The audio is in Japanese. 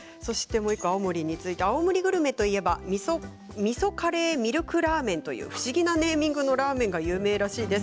もう１通、青森について、青森グルメといえばみそカレーミルクラーメンという不思議なネーミングのラーメンが有名らしいです。